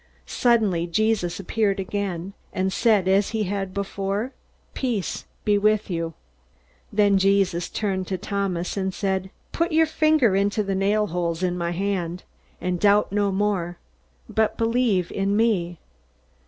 Suddenly Jesus appeared again, and said as he had said before, "Peace be with you." Then Jesus turned to Thomas, and said, "Put your finger into the nail holes in my hand, and doubt no more, but believe in me!"